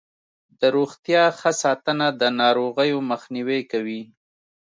د روغتیا ښه ساتنه د ناروغیو مخنیوی کوي.